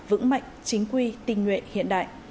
vững mạnh chính quy tình nguyện hiện đại